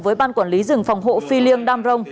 với ban quản lý rừng phòng hộ phi liêng đam rông